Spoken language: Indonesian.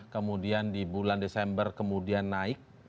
kemudian di bulan desember kemudian naik